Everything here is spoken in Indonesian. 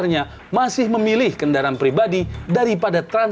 namun berdasarkan data dinas perhubungan dki jakarta dua ribu sembilan belas